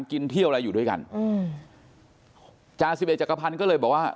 กินเที่ยวอะไรอยู่ด้วยกันอืมจาสิบเอกจักรพันธ์ก็เลยบอกว่า